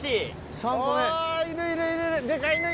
３個目。